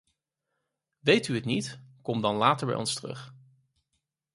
Weet u het niet, kom dan later bij ons terug.